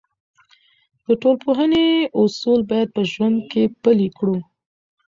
د ټولنپوهنې اصول باید په ژوند کې پلي کړو.